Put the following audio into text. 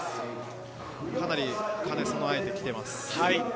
かなり兼ね備えてきています。